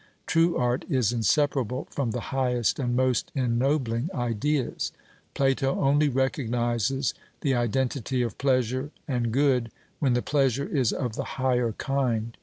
True art is inseparable from the highest and most ennobling ideas. Plato only recognizes the identity of pleasure and good when the pleasure is of the higher kind.